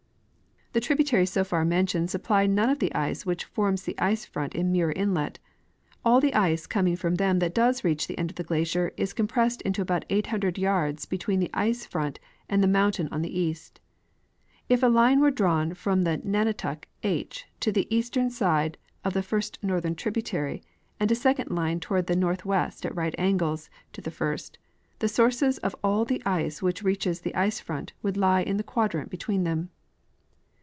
The tributaries so far mentioned supply none of the ice which forms the ice front in Muir inlet ; all the ice coming from them that does reach the end of the glacier is compressed into about 800 yards between the ice front and the mountain on the east. If a line were drawn from the nunatak H to the eastern side of the first northern tributary and a second line toward the northwest at right angles to the first, the sources of all the ice w^hich reaches the ice front would lie in the quadrant between them.